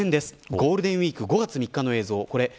ゴールデンウイーク５月３日の映像。